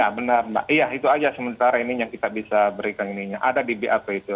ya benar mbak iya itu aja sementara ini yang kita bisa berikan ini yang ada di bap itu